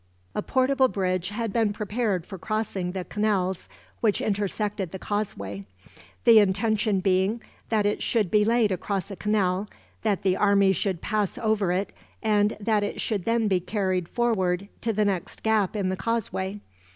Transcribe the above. A portable bridge had been prepared for crossing the canals which intersected the causeway; the intention being that it should be laid across a canal, that the army should pass over it, and that it should then be carried forward to the next gap in the causeway.